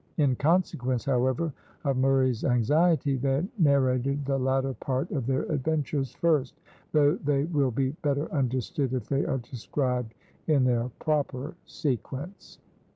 In consequence, however, of Murray's anxiety, they narrated the latter part of their adventures first; though they will be better understood if they are described in their proper sequence.